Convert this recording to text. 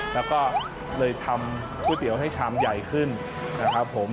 แล้วก็เลยทำก๋วยเตี๋ยวให้ชามใหญ่ขึ้นนะครับผม